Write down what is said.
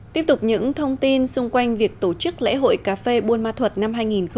tiếp tục những thông tin xung quanh việc tổ chức lễ hội cà phê buôn ma thuật năm hai nghìn một mươi chín